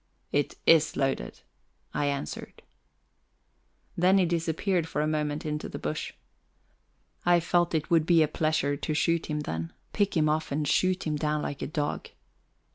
"It is loaded," I answered. Then he disappeared a moment into the bush. I felt it would be a pleasure to shoot him then pick him off and shoot him down like a dog.